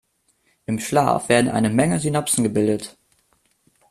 Im Schlaf werden eine Menge Synapsen gebildet.